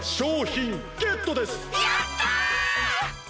やった！